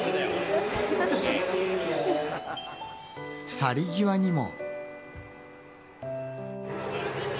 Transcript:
去り際にも。